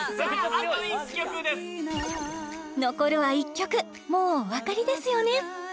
あと１曲です残るは１曲もうおわかりですよね？